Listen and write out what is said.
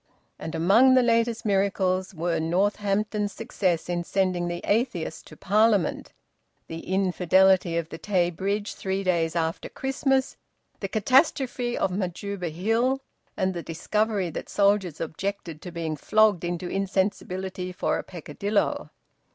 And among the latest miracles were Northampton's success in sending the atheist to Parliament, the infidelity of the Tay Bridge three days after Christmas, the catastrophe of Majuba Hill, and the discovery that soldiers objected to being flogged into insensibility for a peccadillo.